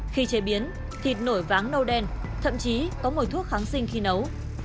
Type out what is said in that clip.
khi chế biến thịt nổi váng nâu đen thậm chí có mùi thuốc kháng sinh khi nấu